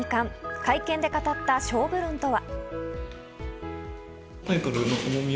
会見で語った勝負論とは。